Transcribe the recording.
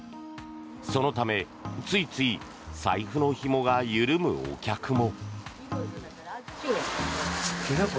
そのため、ついつい財布のひもが緩むお客も。